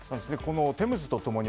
「テムズとともに」